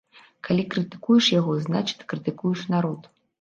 Калі крытыкуеш яго, значыць, крытыкуеш народ.